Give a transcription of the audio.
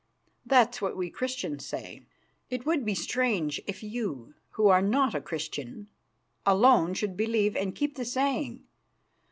"That's what we Christians say. It would be strange if you, who are not a Christian, alone should believe and keep the saying.